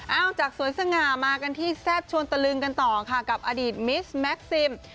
จากสวยสง่ามากันที่แซ่บชวนตะลึงกันต่อค่ะกับอดีตมิสแม็กซิม